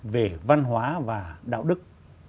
về văn hóa và đạo đức